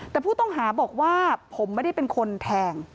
แต่ผู้ต้องหาบอกว่าผมไม่ได้เป็นคนแทง